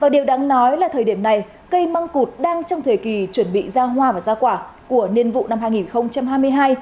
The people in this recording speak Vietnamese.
điều đáng nói là thời điểm này cây măng cụt đang trong thời kỳ chuẩn bị ra hoa và ra quả của niên vụ năm hai nghìn hai mươi hai